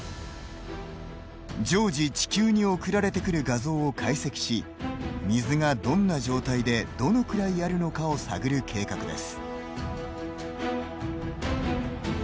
常時、地球に送られてくる画像を解析し水がどんな状態で、どのくらいあるのかを探る計画です。